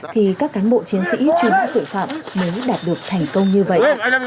thì các cán bộ chiến sĩ truy bắt tội phạm mới đạt được thành công như vậy